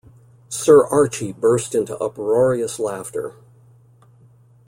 Sir Archie burst into uproarious laughter.